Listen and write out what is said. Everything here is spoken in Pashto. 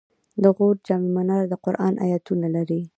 د غور جام منار د قرآن آیتونه لري